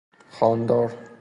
خاندار